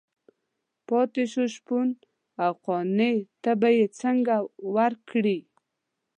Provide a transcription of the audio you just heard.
پاتې شو شپون او قانع ته به یې څنګه ورکړي.